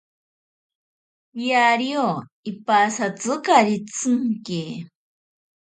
Kiario ipasatzikari tsinke.